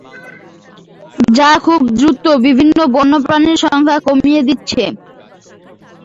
যা খুব দ্রুত বিভিন্ন বন্যপ্রাণীর সংখ্যা কমিয়ে দিচ্ছি।